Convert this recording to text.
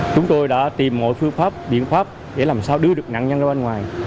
chúng tôi đã tìm mọi phương pháp biện pháp để làm sao đưa được nạn nhân ra bên ngoài